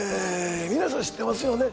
皆さん知ってますよね？